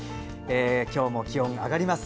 今日も気温上がります。